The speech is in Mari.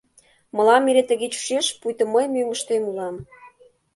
— Мылам эре тыге чучеш, пуйто мый мӧҥгыштем улам!